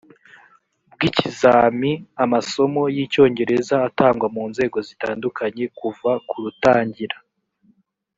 bw ikizami amasomo y icyongereza atangwa mu nzego zitandukanye kuva ku rutangira